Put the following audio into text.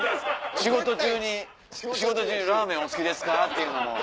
仕事中に「ラーメンお好きですか？」って言うのも。